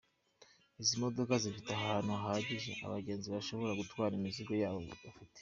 Izi modoka zifite ahantu hahagije abagenzi bashobora gutwara imizigo yabo bafite.